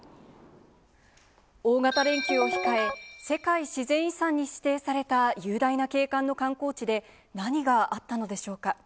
大型連休を控え、世界自然遺産に指定された雄大な景観の観光地で、何があったのでしょうか。